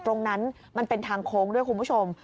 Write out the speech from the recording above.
ตรงนั้นมันเป็นทางโค้งด้วยคุณผู้ชม